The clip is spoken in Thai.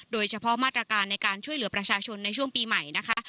โดยเฉพาะมาตรการในการช่วยเหลือประชาชนในช่วงปีใหม่นะคะ